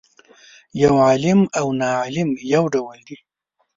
یو عالم او ناعالم یو ډول دي.